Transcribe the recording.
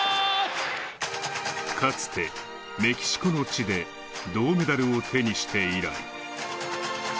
かつて、メキシコの地で、銅メダルを手にして以来。